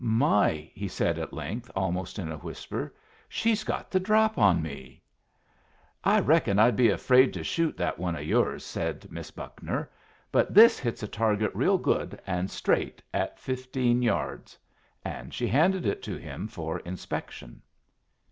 "My!" he said, at length, almost in a whisper, "she's got the drop on me!" "I reckon I'd be afraid to shoot that one of yours," said Miss Buckner. "But this hits a target real good and straight at fifteen yards." And she handed it to him for inspection.